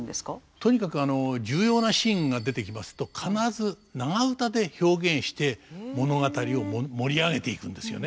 とにかく重要なシーンが出てきますと必ず長唄で表現して物語を盛り上げていくんですよね。